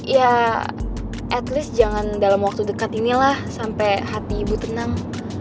ya at least jangan dalam waktu dekat inilah sampai hati ibu tenang